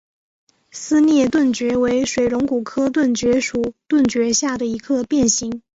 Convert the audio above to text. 撕裂盾蕨为水龙骨科盾蕨属盾蕨下的一个变型。